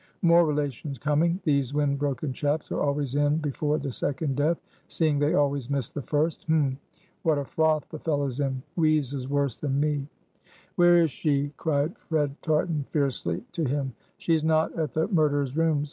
"More relations coming. These wind broken chaps are always in before the second death, seeing they always miss the first. Humph! What a froth the fellow's in? Wheezes worse than me!" "Where is she?" cried Fred Tartan, fiercely, to him; "she's not at the murderer's rooms!